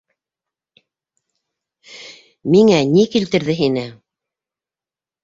Миңә ни килтерҙе һине?